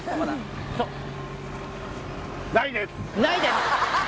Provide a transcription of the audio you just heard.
ないです！